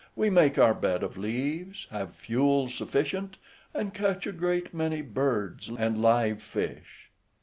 We make our bed of leaves, have fuel sufficient, and catch a great many birds and live fish.